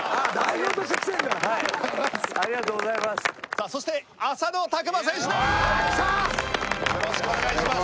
さあそして浅野拓磨選手です！